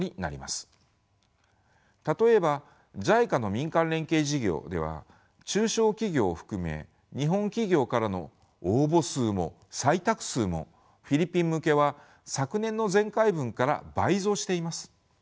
例えばＪＩＣＡの民間連携事業では中小企業を含め日本企業からの応募数も採択数もフィリピン向けは昨年の前回分から倍増しています。